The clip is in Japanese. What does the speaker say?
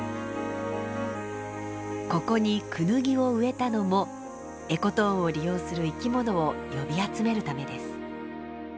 ここにクヌギを植えたのも「エコトーン」を利用する生き物を呼び集めるためです。